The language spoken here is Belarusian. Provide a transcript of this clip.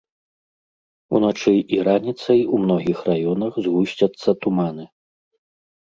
Уначы і раніцай у многіх раёнах згусцяцца туманы.